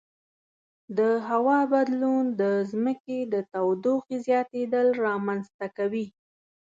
د هوا بدلون د ځمکې د تودوخې زیاتیدل رامنځته کوي.